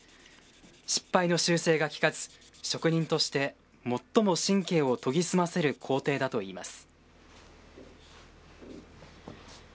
失敗の修正が利かず、職人として最も神経を研ぎ澄ませる工程だといいます。